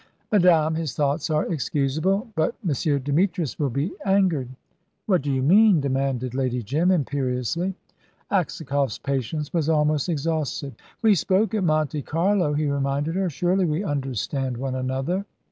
"Madame, his thoughts are excusable. But M. Demetrius will be angered." "What do you mean?" demanded Lady Jim, imperiously. Aksakoff's patience was almost exhausted. "We spoke at Monte Carlo," he reminded her. "Surely we understand one another."